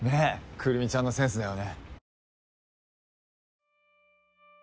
くるみちゃんのセンスだよね。